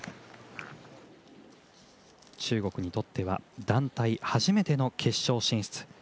中国にとっては団体初めての決勝進出。